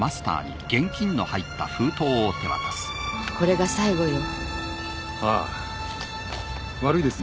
これが最後よああ悪いですね